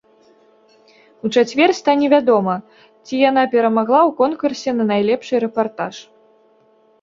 У чацвер стане вядома, ці яна перамагла ў конкурсе на найлепшы рэпартаж.